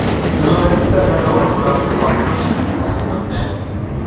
د هنري څرګندونو مناسب عنصر شعري تخيل دى.